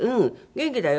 元気だよ」。